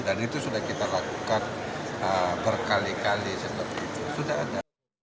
dan itu sudah kita lakukan berkali kali seperti itu sudah ada